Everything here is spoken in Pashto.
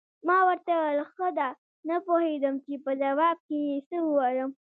ما ورته وویل: ښه ده، نه پوهېدم چې په ځواب کې یې څه ووایم.